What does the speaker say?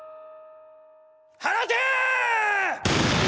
放て！